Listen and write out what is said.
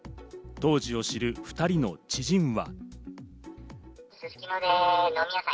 当時を知る２人の知人は。